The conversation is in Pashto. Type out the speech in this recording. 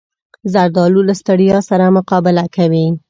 زردالو له ستړیا سره مقابله کوي.